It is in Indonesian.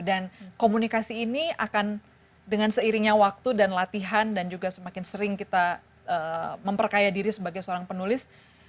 dan komunikasi ini akan dengan seiringnya waktu dan latihan dan juga semakin sering kita memperkaya diri sebagai penulis